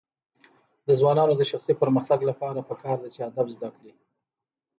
د ځوانانو د شخصي پرمختګ لپاره پکار ده چې ادب زده کړي.